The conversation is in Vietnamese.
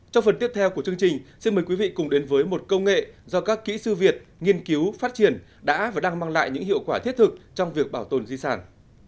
trong phần tiếp theo của chương trình xin mời quý vị cùng đến với một công nghệ do các kỹ sư việt nghiên cứu phát triển đã và đang mang lại những hiệu quả thiết thực trong việc bảo tồn di sản